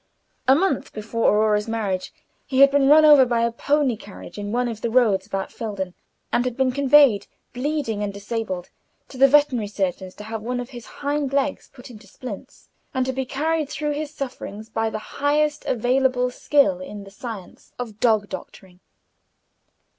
A month before Aurora's marriage he had been run over by a pony carriage in one of the roads about Felden, and had been conveyed, bleeding and disabled, to the veterinary surgeon's, to have one of his hind legs put into splints, and to be carried through his sufferings by the highest available skill in the science of dog doctoring.